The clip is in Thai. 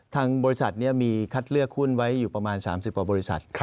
ทางบริษัทนี้มีคัดเลือกหุ้นไว้อยู่ประมาณ๓๐กว่าบริษัท